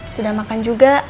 sudah makan juga